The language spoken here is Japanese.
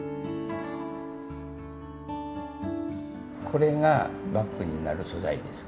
これがバッグになる素材です。